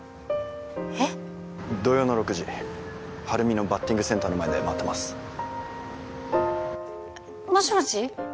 えっ？土曜の６時晴海のバッティングセンターの前で待ってますもしもし？